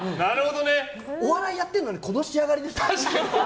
お笑いやってるのにこの仕上がりですよ。